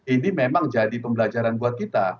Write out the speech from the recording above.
ini memang jadi pembelajaran buat kita